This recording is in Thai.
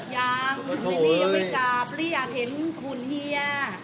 ยังไม่มีอาวุธกราบเรียกเห็นคุณเฮีย